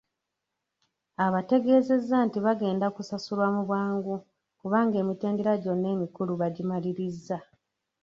Abategeezezza nti bagenda kusasulwa mu bwangu kubanga emitendera gyonna emikulu bagimalirizza.